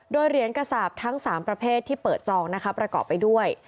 โดยเหรียญกระสาปทั้ง๓ประเภทที่เปิดจองนะคะประกอบไปด้วย